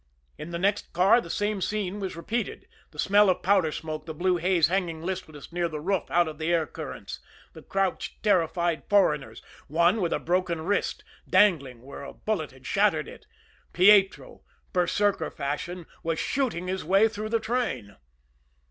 In the next car the same scene was repeated the smell of powder smoke, the blue haze hanging listless near the roof out of the air currents; the crouched, terrified foreigners, one with a broken wrist, dangling, where a bullet had shattered it. Pietro, Berserker fashion, was shooting his way through the train.